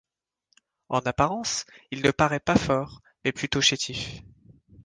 En apparence, il ne paraît pas fort, mais plutôt chétif.